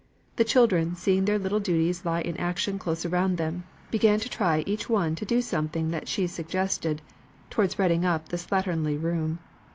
The children seeing their little duties lie in action close around them, began to try each one to do something that she suggested towards redding up the slatternly room.